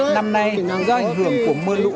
năm nay do ảnh hưởng của mưa lũ